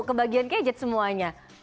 kebagian gadget semuanya